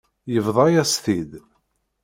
Yebḍa-yas-t-id.